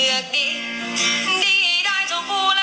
เอาเวลาไปทำอาหารกิน